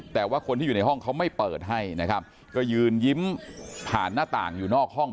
แต่ว่าคนที่อยู่ในห้องเขาไม่เปิดให้นะครับก็ยืนยิ้มผ่านหน้าต่างอยู่นอกห้อง